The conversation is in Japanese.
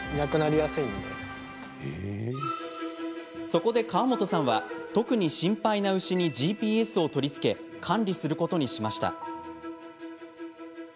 そこで、川本さんは特に心配な牛にＧＰＳを取り付け管理することにしました。